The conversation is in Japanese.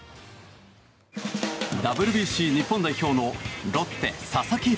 ＷＢＣ日本代表のロッテ佐々木朗